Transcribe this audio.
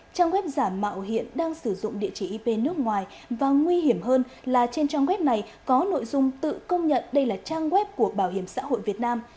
trang web giả mạo hiện đang sử dụng địa chỉ ip nước ngoài và nguy hiểm hơn là trên trang web này có nội dung tự công nhận đây là trang web của bảo hiểm xã hội việt nam